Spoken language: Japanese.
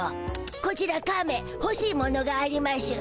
こちらカメほしいものがありましゅ。